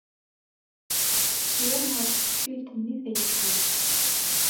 Tekki ɣef tqeffilt-nni tayeffust!